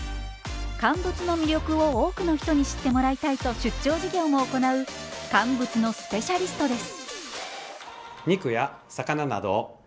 乾物の魅力を多くの人に知ってもらいたいと出張授業も行う乾物のスペシャリストです。